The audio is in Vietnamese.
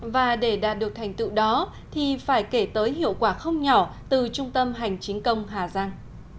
và để đạt được thành tựu đó thì phải kể tới hiệu quả không nhỏ từ trung tâm hành chính công hà giang